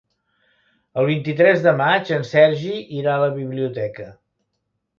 El vint-i-tres de maig en Sergi irà a la biblioteca.